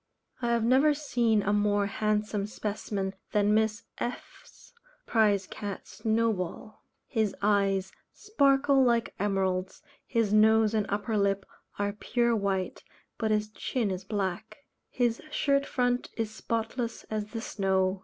I have never seen a more handsome specimen than Miss F n's prize cat "Snowball." His eyes sparkle like emeralds; his nose and upper lip are pure white, but his chin is black. His shirt front is spotless as the snow.